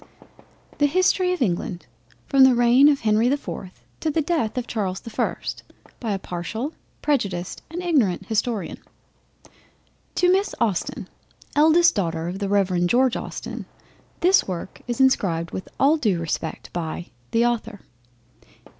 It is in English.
THE HISTORY OF ENGLAND FROM THE REIGN OF HENRY THE 4TH TO THE DEATH OF CHARLES THE 1ST BY A PARTIAL, PREJUDICED, AND IGNORANT HISTORIAN. To Miss Austen, eldest daughter of the Rev. George Austen, this work is inscribed with all due respect by THE AUTHOR.